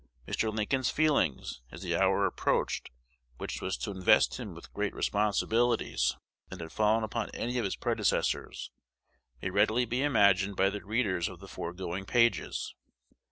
Mr. Lincoln's feelings, as the hour approached which was to invest him with greater responsibilities than had fallen upon any of his predecessors, may readily be imagined by the readers of the foregoing pages.